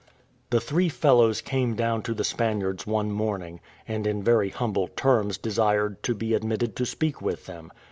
The three fellows came down to the Spaniards one morning, and in very humble terms desired to be admitted to speak with them.